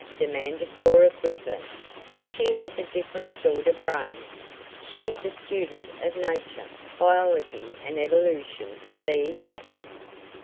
demanded Cora quickly. "She has a different sort of brains. She is a student of nature biology and evolution, to be exact."